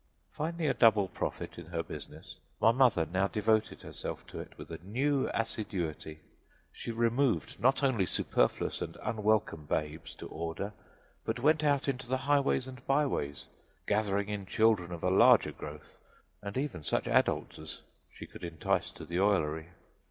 Finding a double profit in her business, my mother now devoted herself to it with a new assiduity. She removed not only superfluous and unwelcome babes to order, but went out into the highways and byways, gathering in children of a larger growth, and even such adults as she could entice to the oilery.